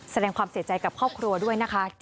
แสดงความเสียใจกับครอบครัวด้วยนะคะ